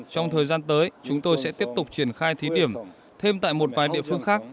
trong thời gian tới chúng tôi sẽ tiếp tục triển khai thí điểm thêm tại một vài địa phương khác